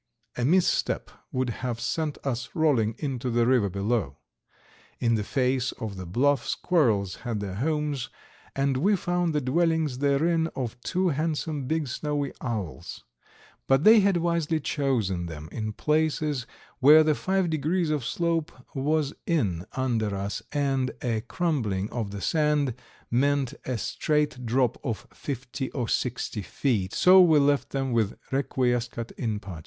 A misstep would have sent us rolling into the river below. In the face of the bluff squirrels had their homes, and we found the dwellings therein of two handsome big snowy owls, but they had wisely chosen them in places where the five degrees of slope was in under us and a crumbling of the sand meant a straight drop of fifty or sixty feet, so we left them with "requiescat in pace."